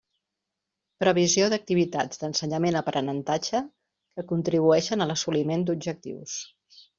Previsió d'activitats d'ensenyament aprenentatge que contribueixen a l'assoliment d'objectius.